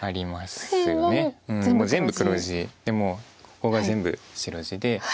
でもうここが全部白地で。